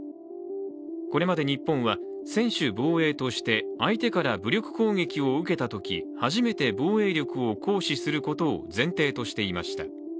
これまで日本は専守防衛として相手から武力攻撃を受けたとき初めて防衛力を行使することを前提としていました。